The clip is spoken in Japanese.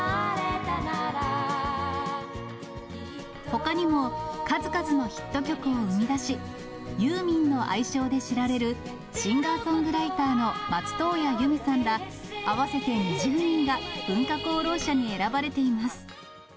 ほかにも、数々のヒット曲を生み出し、ユーミンの愛称で知られる、シンガーソングライターの松任谷由実さんら合わせて２０人が、文化功労者に選ばれています。